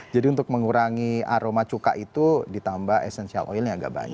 jadi untuk mengurangi aroma cuka itu ditambah essential oilnya agak banyak